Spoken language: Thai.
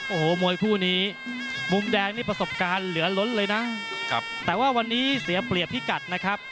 โอ้โหมวยคู่นี้มุมแดงนี่ประสบการณ์เหลือล้นเลยนะแต่ว่าวันนี้เสียเปรียบพิกัดนะครับ